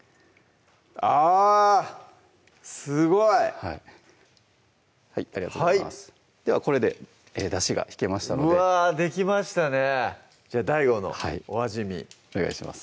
あぁすごい！ありがとうございますではこれでだしが引けましたのでうわぁできましたねＤＡＩＧＯのお味見お願いします